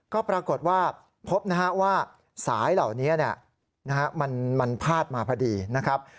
ก็ปรากฏว่าพบนะฮะว่าสายเหล่านี้มันพาดมาพอดีนะครับ